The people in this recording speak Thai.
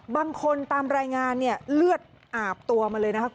บางคนตามรายงานเนี่ยเลือดอาบตัวมาเลยนะครับ